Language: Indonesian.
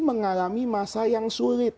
mengalami masa yang sulit